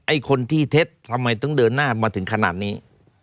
ไอ้คนที่เท็จทำไมต้องเดินหน้ามาถึงขนาดนี้